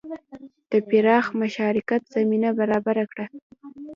د پراخ مشارکت زمینه برابره کړه.